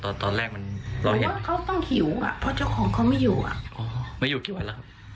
ตอนตอนแรกมันเขาต้องหิวอ่ะเพราะเจ้าของเขาไม่อยู่อ่ะไม่อยู่กี่วันแล้ว